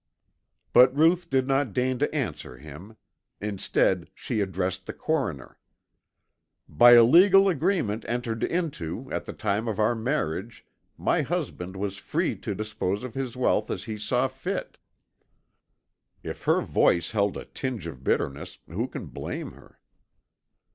But Ruth did not deign to answer him. Instead she addressed the coroner. "By a legal agreement entered into at the time of our marriage my husband was free to dispose of his wealth as he saw fit." If her voice held a tinge of bitterness who can blame her?